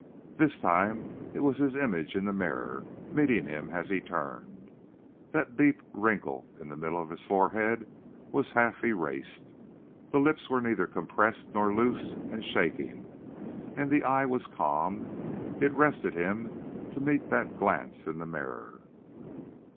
This time it was his image in the mirror, meeting him as he turned. That deep wrinkle in the middle of the forehead was half erased. The lips were neither compressed nor loose and shaking, and the eye was calm it rested him to meet that glance in the mirror.